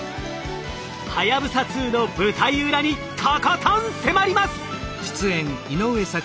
はやぶさ２の舞台裏にとことん迫ります！